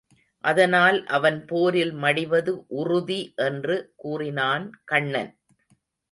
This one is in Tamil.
அதனால் அவன் போரில் மடிவது உறுதி என்று கூறினான் கண்ணன்.